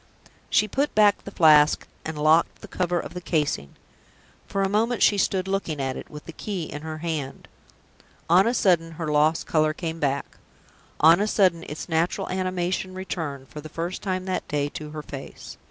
She put back the Flask, and locked the cover of the casing. For a moment she stood looking at it, with the key in her hand. On a sudden, her lost color came back. On a sudden, its natural animation returned, for the first time that day, to her face.